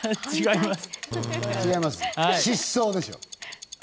違います。